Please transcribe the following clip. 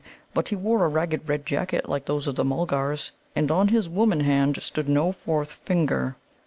But he wore a ragged red jacket, like those of the Mulgars, and on his woman hand stood no fourth finger."